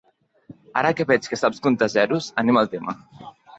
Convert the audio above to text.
Ara que veig que saps comptar zeros, anem al tema.